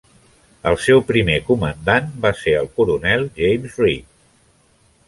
El seu primer comandant va ser el coronel James Reed.